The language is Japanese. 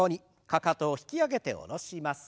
かかとを引き上げて下ろします。